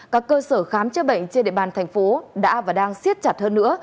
các cơ sở khám chữa bệnh trên địa bàn thành phố đã và đang siết chặt hơn nữa